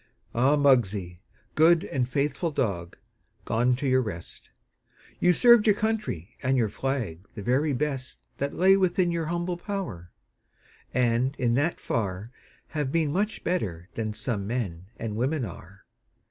Ah, Muggsie, good and faithful dog, Gone to your rest! You served your country and your flag The very best That lay within your humble power, And in that far Have been much better than some men And women are.